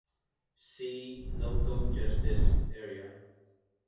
See: Local justice areas.